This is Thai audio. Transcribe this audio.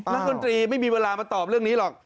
ดนตรีไม่มีเวลามาตอบเรื่องนี้หรอก